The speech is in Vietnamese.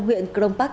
huyện crong park